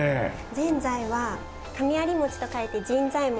ぜんざいは神在餅と書いて神在餅。